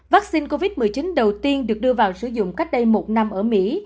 vaccine covid một mươi chín đầu tiên được đưa vào sử dụng cách đây một năm ở mỹ